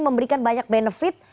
memberikan banyak benefit